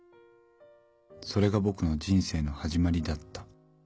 それが僕の人生の始まりだった。